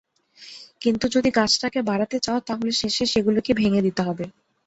কিন্তু যদি গাছটাকে বাড়াতে চাও, তা হলে শেষে সেগুলিকে ভেঙে দিতে হবে।